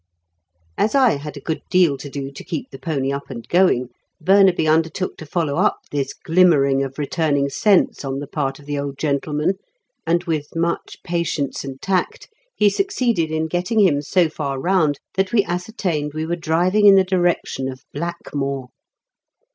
"_ As I had a good deal to do to keep the pony up and going, Burnaby undertook to follow up this glimmering of returning sense on the part of the old gentleman, and with much patience and tact he succeeded in getting him so far round that we ascertained we were driving in the direction of "Blackmore."